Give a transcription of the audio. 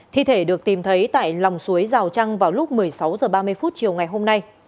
thi thể được tìm thấy tại lòng suối rào trăng vào lúc một mươi sáu h ba mươi chiều ngày hôm nay